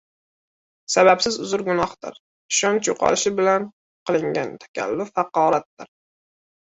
Sababsiz uzr gunohdir, ishonch yo‘qolishi bilan qilingan takalluf haqoratdir.